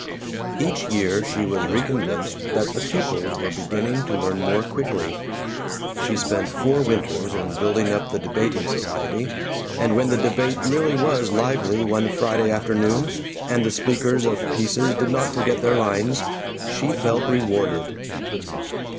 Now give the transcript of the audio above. Each year she was reconvinced that the pupils were beginning to learn more quickly. She spent four winters in building up the Debating Society, and when the debate really was lively one Friday afternoon, and the speakers of pieces did not forget their lines, she felt rewarded.